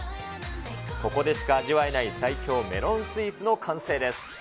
ここでしか味わえない最強メロンスイーツの完成です。